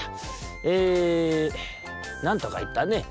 えなんとかいったね」。